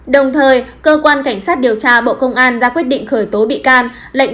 đồng thời cơ quan cảnh sát điều tra bộ công an ra quyết định khởi tố bị can lệnh